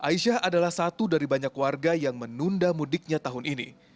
aisyah adalah satu dari banyak warga yang menunda mudiknya tahun ini